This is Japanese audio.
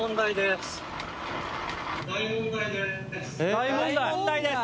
大問題です！